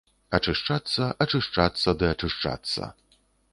Ачышчацца, ачышчацца ды ачышчацца.